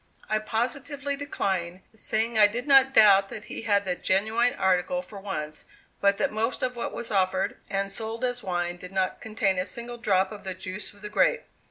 I positively declined, saying I did not doubt that he had the genuine article for once, but that most of what was offered and sold as wine did not contain a single drop of the juice of the grape.